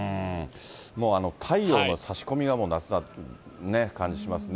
もう太陽の差し込みが夏な感じしますね。